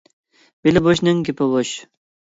بېلى بوشنىڭ گېپى بوش.